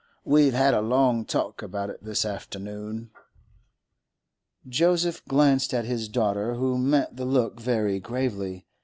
We've had a long talk about it this afternoon.' Joseph glanced at his daughter, who met the look very gravely.